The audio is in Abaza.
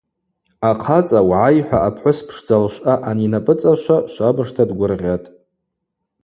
Ахъацӏа – Угӏай – хӏва апхӏвыс пшдза лшвъа анинапӏыцӏашва швабыжта дгвыргъьатӏ.